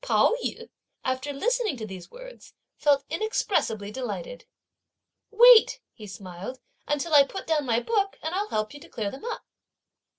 Pao yü, after listening to these words, felt inexpressibly delighted. "Wait!" he smiled, "until I put down my book, and I'll help you to clear them up!"